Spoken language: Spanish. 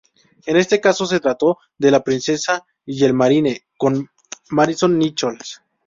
En este caso se trató de "La Princesa y el Marine" con Marisol Nichols.